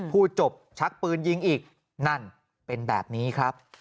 พูดจบชักปืนยิงอีกนั่นเป็นแบบนี้ครับ